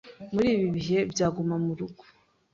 muri ibi bihe bya Guma mu rugo.